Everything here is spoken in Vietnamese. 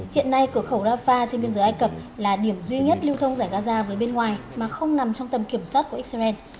hiện nay cửa khẩu rafah trên biên giới ai cập là điểm duy nhất lưu thông giải gaza với bên ngoài mà không nằm trong tầm kiểm soát của israel